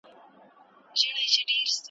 ما منلی یې په عقل کی سردار یې .